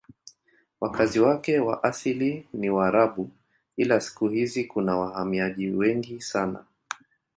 Wakazi wake wa asili ni Waarabu ila siku hizi kuna wahamiaji wengi sana.